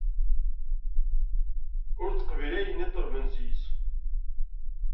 Ul teqbil ayenni ṭelben sys.